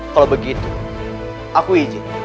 kalau begitu aku izin